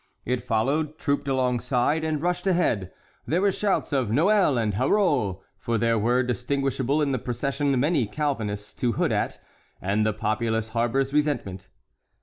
It followed, trooped alongside, and rushed ahead; there were shouts of Noel and Haro, for there were distinguishable in the procession many Calvinists to hoot at, and the populace harbors resentment.